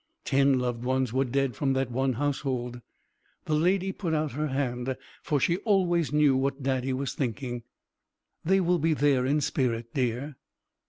Ten loved ones were dead from that one household. The Lady put out her hand, for she always knew what Daddy was thinking. "They will be there in spirit, dear."